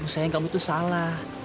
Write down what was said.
aduh sayang kamu tuh salah